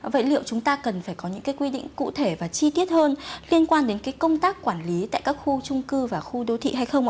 vậy liệu chúng ta cần phải có những quy định cụ thể và chi tiết hơn liên quan đến công tác quản lý tại các khu chung cư và khu đô thị